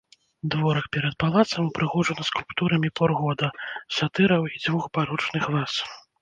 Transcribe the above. Дворык перад палацам упрыгожаны скульптурамі пор года, сатыраў і дзвюх барочных ваз.